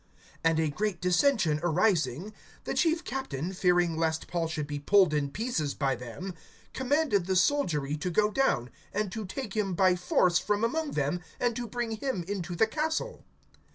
(10)And a great dissension arising, the chief captain, fearing lest Paul should be pulled in pieces by them, commanded the soldiery to go down, and to take him by force from among them, and to bring him into the castle.